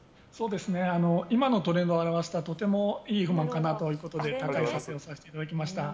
今のトレンドを表すにはとてもいい不満かなと思って高い査定をさせていただきました。